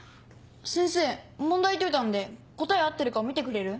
先生問題解いたんで答え合ってるか見てくれる？